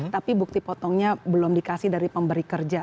tapi bukti potongnya belum dikasih dari pemberi kerja